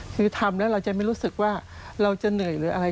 คือทำแล้วเราจะไม่รู้สึกว่าเราจะเหนื่อยหรืออะไร